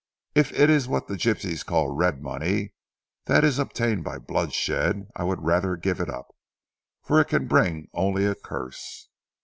If it is what the gipsies call red money that is obtained by bloodshed, I would rather give it up. For it can bring only a curse."